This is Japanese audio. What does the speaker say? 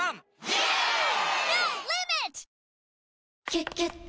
「キュキュット」